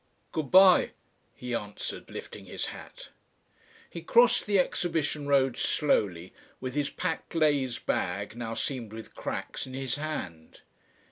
"Good bye," he answered, lifting his hat. He crossed the Exhibition Road slowly with his packed glazed bag, now seamed with cracks, in his hand.